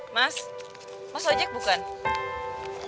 mas mas ojek bukan